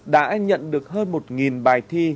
đã nhận được hơn một bài thi